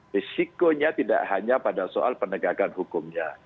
risikonya tidak hanya pada soal penegakan hukumnya